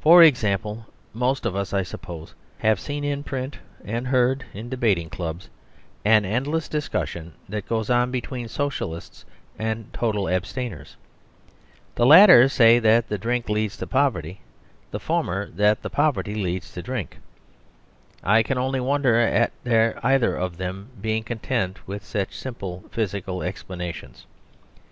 For example, most of us, I suppose, have seen in print and heard in debating clubs an endless discussion that goes on between Socialists and total abstainers. The latter say that drink leads to poverty; the former say that poverty leads to drink. I can only wonder at their either of them being content with such simple physical explanations.